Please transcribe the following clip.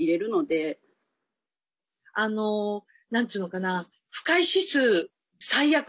あの何て言うのかな。